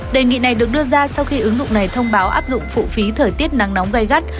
đề nghị này được đưa ra sau khi ứng dụng này thông báo áp dụng phụ phí thời tiết nắng nóng gây gắt